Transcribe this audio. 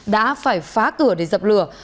đã phải phá cửa để dập lửa